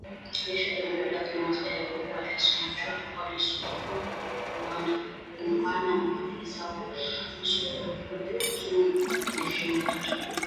Jeshi la Jamhuri ya Kidemokrasia ya Kongo linaishutumu Rwanda kwa kuunga mkono waasi wa Vuguvugu la Ishirini na tatu